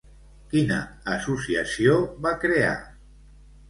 Quina associació va crear?